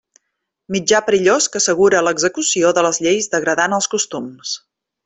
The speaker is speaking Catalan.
Mitjà perillós que assegura l'execució de les lleis degradant els costums.